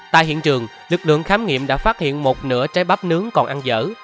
tại hiện trường lực lượng khám nghiệm đã phát hiện một nửa trái bắp nướng còn ăn dở